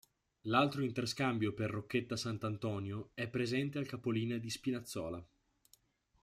L'altro interscambio per Rocchetta Sant'Antonio è presente al capolinea di Spinazzola.